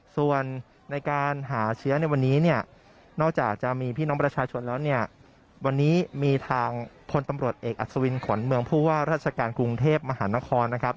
ส่วนในการหาเชื้อในวันนี้เนี่ยนอกจากจะมีพี่น้องประชาชนแล้วเนี่ยวันนี้มีทางพลตำรวจเอกอัศวินขวัญเมืองผู้ว่าราชการกรุงเทพมหานครนะครับ